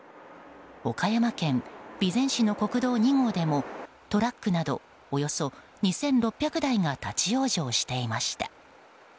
岡山県備前市の国道２号でもトラックなどおよそ２６００台が立ち往生していました。